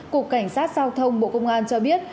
cục cảnh sát giao thông bộ công an cho biết